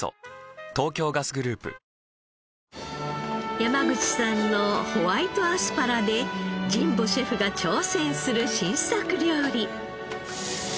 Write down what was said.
山口さんのホワイトアスパラで神保シェフが挑戦する新作料理。